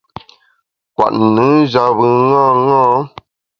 Kwet nùn njap bùn ṅaṅâ.